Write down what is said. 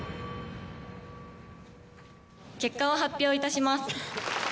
結果を発表いたします。